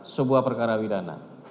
sebuah perkara pidana